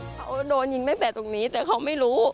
เขาโดนยิงตั้งแต่ตรงนี้แต่เขาไม่รู้